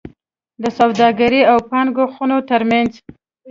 د سوداګرۍ او پانګونو خونو ترمنځ